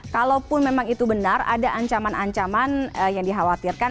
kalaupun memang itu benar ada ancaman ancaman yang dikhawatirkan